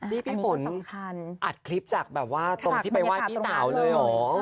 นี่พี่ฝนอัดคลิปจากแบบว่าตรงที่ไปไหว้พี่สาวเลยเหรอ